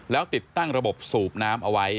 แล้วติดตั้งระบบสูบน้ำเอาไว้